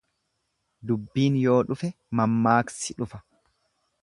Dubbiin yoo dhufe mammaaksi dhufa.